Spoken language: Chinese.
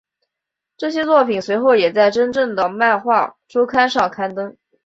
这些作品随后也在真正的漫画周刊上刊登。